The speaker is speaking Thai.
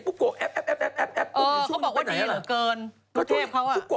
แล้วก็จะเห็นปุ๊ปก่อแอ๊ฟ